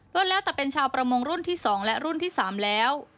ก็แล้วแต่เป็นชาวประมงรุ่นที่๒และรุ่นที่๓แล้ว